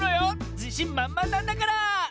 じしんまんまんなんだから！